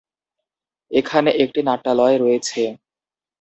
এখানে একটি নাট্যালয় রয়েছে।